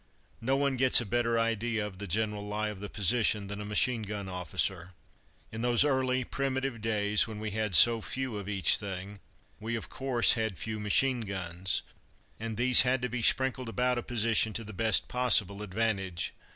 No one gets a better idea of the general lie of the position than a machine gun officer. In those early, primitive days, when we had so few of each thing, we, of course, had few machine guns, and these had to be sprinkled about a position to the best possible advantage.